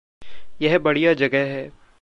यह बढ़िया जगह है।